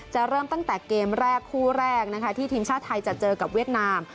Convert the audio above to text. เริ่มตั้งแต่เกมแรกคู่แรกนะคะที่ทีมชาติไทยจะเจอกับเวียดนาม